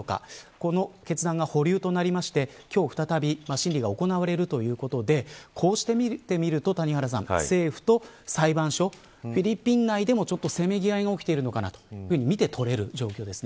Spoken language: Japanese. この決断が保留となって今日、再び審理が行われるということでこうして見てみると政府と裁判所フィリピン内でもせめぎ合いが起きているのかなと見て取れる状況ですね。